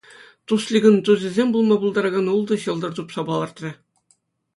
Тусликӑн тусӗсем пулма пултаракан ултӑ ҫӑлтӑр тупса палӑртрӗ.